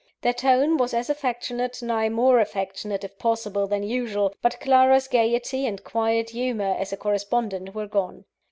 Their tone was as affectionate nay, more affectionate, if possible than usual; but Clara's gaiety and quiet humour, as a correspondent, were gone.